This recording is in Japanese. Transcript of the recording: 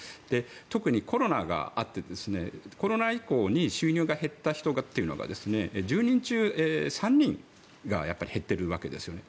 特にコロナがあってコロナ以降に収入が減った人というのが１０人中３人がやっぱり減っているわけですね。